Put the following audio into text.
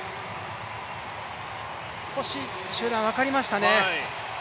少し集団、分かれましたね。